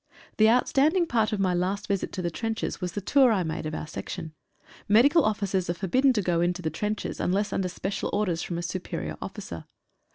The outstanding part of my last visit to the trenches was the tour I made of our section. Medical officers are for bidden to go into the trenches, unless under special orders from a superior officer.